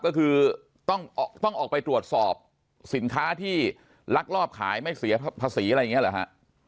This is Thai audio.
ก็คือต้องออกไปตรวจสอบสินค้าที่ลักลอบขายไม่เสียภาษีอะไรอย่างนี้เหรอฮะ